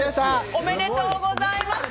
おめでとうございます！